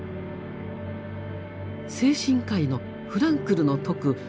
精神科医のフランクルの説く